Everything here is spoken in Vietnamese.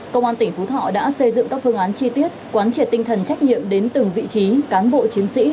công an tỉnh phú thọ đã xây dựng các phương án chi tiết quán triệt tinh thần trách nhiệm đến từng vị trí cán bộ chiến sĩ